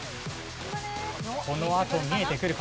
このあと見えてくるか？